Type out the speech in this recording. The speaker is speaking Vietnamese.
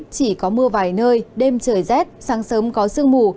chỉ có mưa vài nơi đêm trời rét sáng sớm có sương mù